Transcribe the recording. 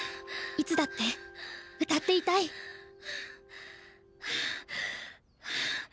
いつだって歌っていたいハァハァ。